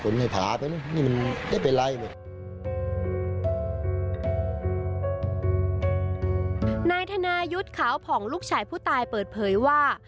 นายธนายุทธ์ขาวผ่องลูกชายผู้ตายเปิดเผยว่า